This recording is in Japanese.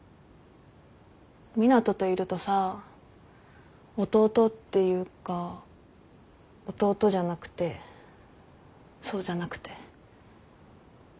湊斗といるとさ弟っていうか弟じゃなくてそうじゃなくて。